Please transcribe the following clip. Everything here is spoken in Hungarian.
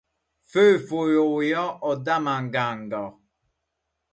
Fő folyója a Daman Ganga.